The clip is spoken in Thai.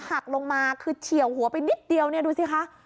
หักลงมาคือเฉียวหัวไปนิดเดียวเนี่ยดูสิคะ